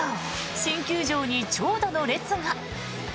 新球場に長蛇の列が。